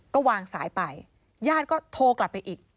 ก็วางสายไปญาติก็โทรกลับไปอีก